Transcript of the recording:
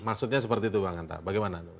maksudnya seperti itu bang hanta bagaimana